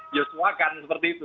diusulkan seperti itu